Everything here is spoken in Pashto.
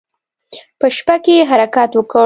په شپه کې يې حرکت وکړ.